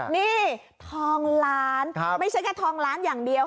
นี่ทองล้านไม่ใช่แค่ทองล้านอย่างเดียว